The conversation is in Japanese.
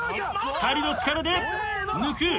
２人の力で抜く。